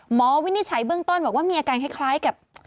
วินิจฉัยเบื้องต้นบอกว่ามีอาการคล้ายกับ